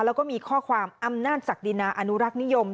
แล้วก็มีข้อความอำนาจศักดินาอนุรักษ์นิยม